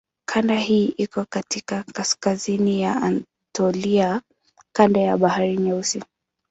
Kanda hii iko katika kaskazini ya Anatolia kando la Bahari Nyeusi.